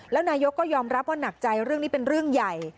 แล้วนายกก็ยอมรับว่าหนักใจเรื่องนี้เป็นเรื่องใหญ่